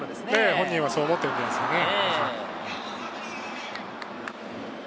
本人はそう思っているんじゃないですかね。